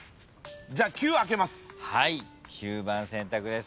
じゃ９あけます。